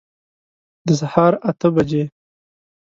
د سهار اته بجي